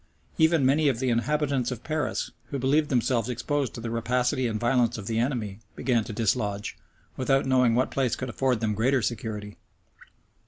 Even many of the inhabitants of Paris, who believed themselves exposed to the rapacity and violence of the enemy, began to dislodge, without knowing what place could afford them greater security.